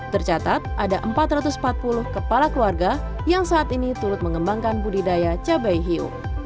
tercatat ada empat ratus empat puluh kepala keluarga yang saat ini turut mengembangkan budidaya cabai hiu